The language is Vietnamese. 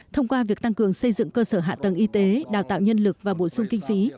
thông qua việc tăng cường xây dựng cơ sở hạ tầng y tế đào tạo nhân lực và bổ sung kinh phí